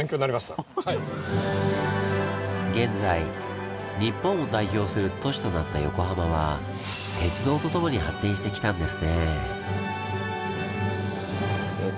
現在日本を代表する都市となった横浜は鉄道と共に発展してきたんですねぇ。